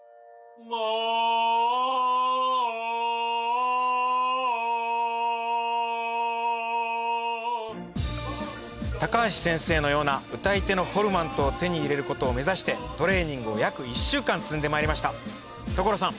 マアアアア高橋先生のような歌い手のフォルマントを手に入れることを目指してトレーニングを約１週間積んでまいりました所さん